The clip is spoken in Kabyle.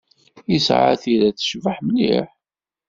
Yesɛa tira tecbeḥ mliḥ.